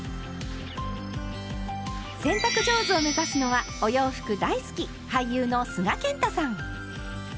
洗濯上手を目指すのはお洋服大好き俳優の須賀健太さん。